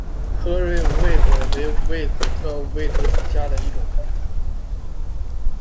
合蕊五味子为五味子科五味子属下的一个种。